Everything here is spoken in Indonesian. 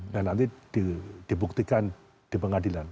dan nanti dibuktikan di pengadilan